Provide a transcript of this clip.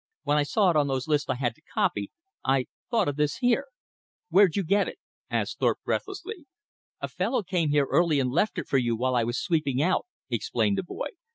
When I saw it on those lists I had to copy, I thought of this here." "Where'd you get it?" asked Thorpe breathlessly. "A fellow came here early and left it for you while I was sweeping out," explained the boy.